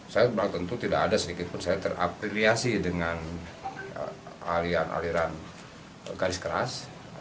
saya belum tentu tidak ada sedikitpun saya terapiliasi dengan aliran aliran garis keras